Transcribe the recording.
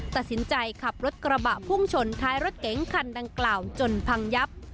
ตัดสินใจขับรถกระบะพุ่งชนท้ายรถเก๋งคันดังกล่าวจนพังยับ